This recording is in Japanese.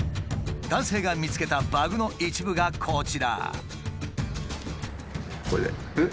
男性が見つけたバグの一部がこちら。